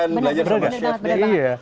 saya akan belajar sama chefnya